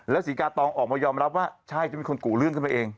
แล้วศิกาตองก็ออกมายอมรับว่าใช่เดี๋ยวจะมีคนกรุ่งขึ้นไปเอง